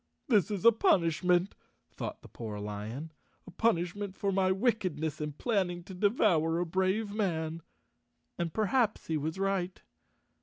"This is a punishment," thought the poor lion, "a punishment for my wickedness in planning to devour a brave man." And perhaps he was right.